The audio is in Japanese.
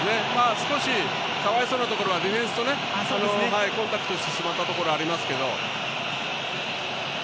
少しかわいそうなところはディフェンスとコンタクトしてしまったところありますけど。